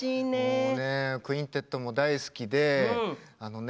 もうね「クインテット」も大好きであのね